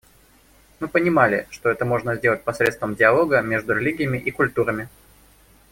Мы понимали, что это можно сделать посредством диалога между религиями и культурами.